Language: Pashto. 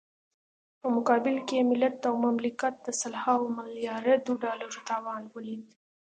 په مقابل کې يې ملت او مملکت د سلهاوو ملیاردو ډالرو تاوان وليد.